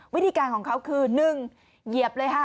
วิธีการของเขาคือ๑เหยียบเลยค่ะ